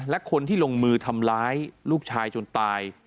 และคนที่ลงมือทำร้ายลูกชายจนตาย